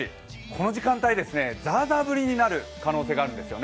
この時間帯、ザーザー降りになる可能性があります。